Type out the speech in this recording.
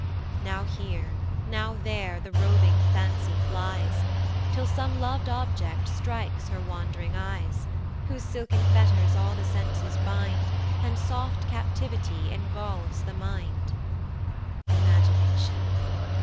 Now here, now there, the roving Fancy flies, Till some lov'd object strikes her wand'ring eyes, Whose silken fetters all the senses bind, And soft captivity involves the mind. Imagination!